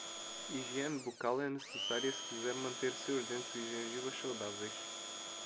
Higiene bucal é necessária se quiser manter seus dentes e gengiva saudáveis